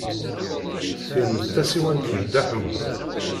Tin d tasiwant n Dda Ḥemmu.